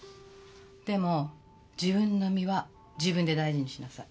でも自分の身は自分で大事にしなさい。